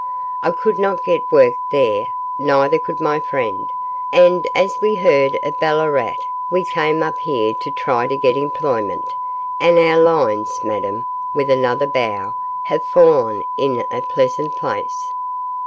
I could not get work there, neither could my friend, and as we heard of Ballarat we came up here to try to get employment, and our lines, Madame,' with another bow 'have fallen in a pleasant place.